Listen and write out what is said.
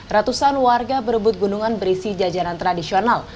ratusan warga berebut gunungan berisi jajanan tradisional